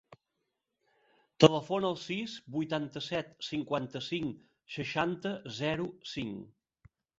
Telefona al sis, vuitanta-set, cinquanta-cinc, seixanta, zero, cinc.